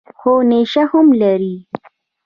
خو نېشه هم لري.